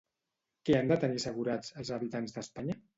Què han de tenir assegurats, els habitants d'Espanya?